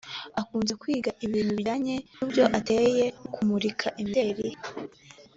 Akunze kwiga ibintu bijyanye n’uburyo ateye nko kumurika imideli